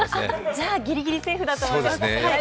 じゃあギリギリセーフだと思います。